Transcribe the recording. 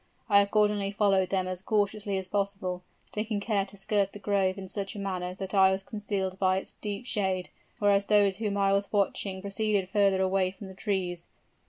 I accordingly followed them as cautiously as possible, taking care to skirt the grove in such a manner that I was concealed by its deep shade, whereas those whom I was watching proceeded further away from the trees.